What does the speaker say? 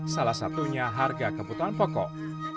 salah satunya harga kebutuhan pokok